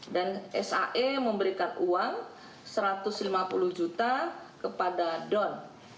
dan sae memberikan uang rp satu ratus lima puluh juta kepada don